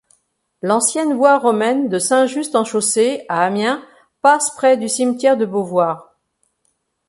L'ancienne voie romaine de Saint-Just-en-Chaussée à Amiens passe près du cimetière de Beauvoir.